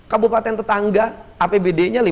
kabupaten tetangga apbd nya